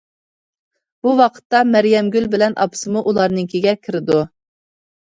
بۇ ۋاقىتتا مەريەمگۈل بىلەن ئاپىسىمۇ ئۇلارنىڭكىگە كىرىدۇ.